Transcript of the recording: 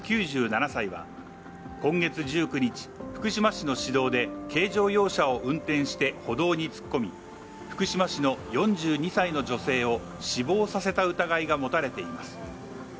９７歳は、今月１９日、福島市の市道で軽乗用車を運転して歩道に突っ込み、福島市の４２歳の女性を死亡させた疑いが持たれています。